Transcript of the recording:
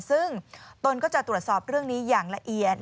ซึ่งตนก็จะตรวจสอบเรื่องนี้อย่างละเอียด